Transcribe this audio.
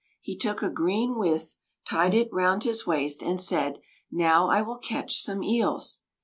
He took a green withe, tied it round his waist, and said: "Now I will catch some eels."